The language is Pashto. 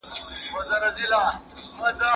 دا د زحمت وخت دی.